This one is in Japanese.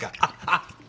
あっ。